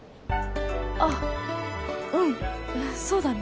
あうんそうだね